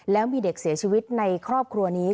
แล้วมีเด็กเสียชีวิตในครอบครัวนี้